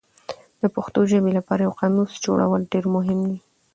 د پښتو ژبې لپاره یو قاموس جوړول ډېر مهم دي.